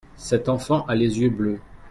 cet enfant a les yeux bleus.